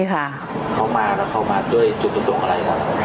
ลงสร้างหนึ่งคนมาเข้ามาด้วยจุดประสงค์อะไรอย่างไรครับ